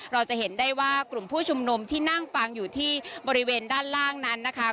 เราจะเห็นได้ว่ากลุ่มผู้ชุมนุมที่นั่งฟังอยู่ที่บริเวณด้านล่างนั้นนะคะ